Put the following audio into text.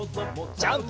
ジャンプ！